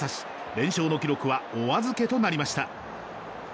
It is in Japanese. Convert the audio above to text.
連勝の記録はお預けとなりました。